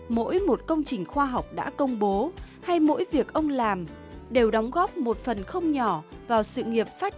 mỗi một công trình khoa học đã công bố hay mỗi việc ông làm đều đóng góp một phần không nhỏ vào sự nghiệp phát